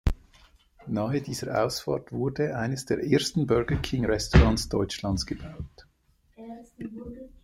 Nahe dieser Ausfahrt wurde eines der ersten Burger-King-Restaurants Deutschlands gebaut.